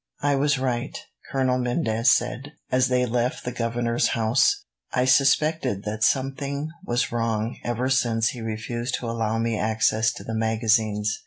"I was right," Colonel Mendez said, as they left the governor's house. "I suspected that something was wrong, ever since he refused to allow me access to the magazines.